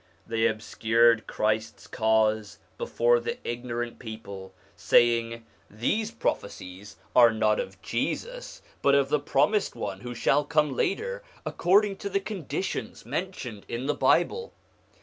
They obscured Christ's Cause before the ignorant people, saying, ' These pro phecies are not of Jesus, but of the Promised One who shall come later, according to the conditions mentioned in the Bible.'